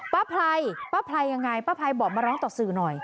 ป้าภัยป้าภัยอย่างไรป้าภัยบอกมาร้องต่อสื่อหน่อย